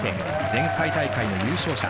前回大会の優勝者。